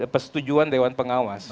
pesetujuan dewan pengawas